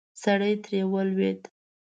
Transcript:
سړی ترې ولوېد.